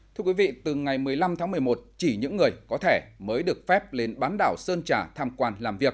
thưa quý vị từ ngày một mươi năm tháng một mươi một chỉ những người có thẻ mới được phép lên bán đảo sơn trà tham quan làm việc